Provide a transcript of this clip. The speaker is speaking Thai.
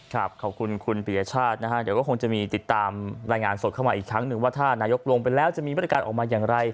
ขอบคุณคุณปียชาตินะฮะเดี๋ยวก็คงจะมีติดตามรายงานสดเข้ามาอีกครั้งหนึ่งว่าถ้านายกลงไปแล้วจะมีมาตรการออกมาอย่างไร